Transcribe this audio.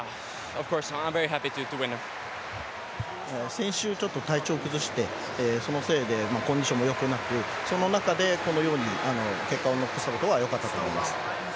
先週ちょっと体調を崩してそのせいでコンディションもよくなく、その中でこのように結果を残せたことはよかったと思います。